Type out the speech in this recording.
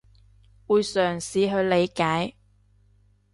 會嘗試去理解